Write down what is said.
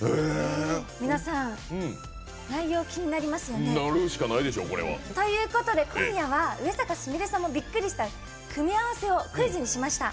皆さん、内容気になりますよね？ということで、今夜は上坂すみれさんもびっくりした組み合わせをクイズにしました。